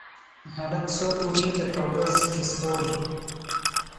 هلک څو توري لکه ورځ کې ستوري